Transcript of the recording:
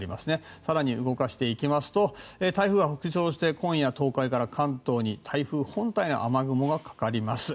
更に動かしていきますと台風は北上して台風本体の雨雲がかかります。